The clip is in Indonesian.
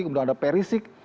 kemudian ada perisic